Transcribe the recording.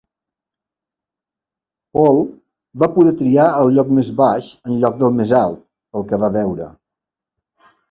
Paul va poder triar el lloc més baix en lloc del més alt, pel que va veure.